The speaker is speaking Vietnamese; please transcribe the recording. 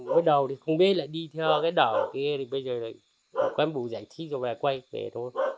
bắt đầu thì không biết là đi theo cái đảo kia bây giờ là quen bù giải thích rồi quay về thôi